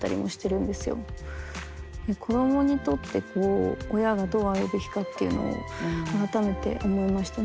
子供にとって親がどうあるべきかっていうのを改めて思いましたね。